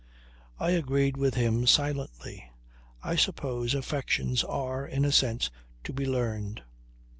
I agreed with him silently. I suppose affections are, in a sense, to be learned.